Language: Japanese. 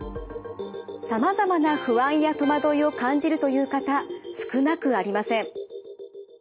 さまざまな不安や戸惑いを感じるという方少なくありません。